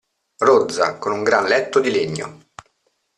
Rozza, con un gran letto di legno.